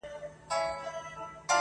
د دې وطن د هر يو گل سره کي بد کړې وي,